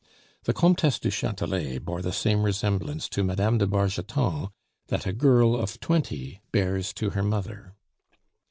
The Comtesse du Chatelet bore the same resemblance to Mme. de Bargeton that a girl of twenty bears to her mother.